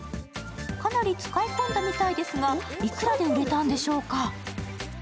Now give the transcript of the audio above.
かなり使い込んだみたいですが、いくらで売れたんでしょうか。